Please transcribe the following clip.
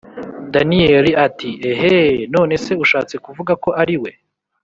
daniel ati: eheee! nonese ushatse kuvuga ko ariwe